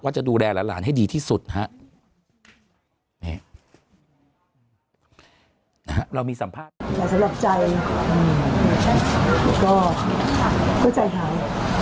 ว่าจะดูแลหลานให้ดีที่สุดนะเรามีสัมภาษณ์ใจก็ใจหาย